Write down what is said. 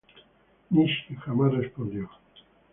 Nishi jamás respondió.